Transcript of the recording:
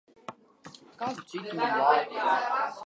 Piķis un zēvele